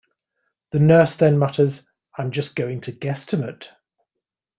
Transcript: The nurse then mutters, I'm just going to guesstimate.